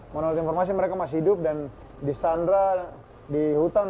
menurut informasi mereka masih hidup dan disandra di hutan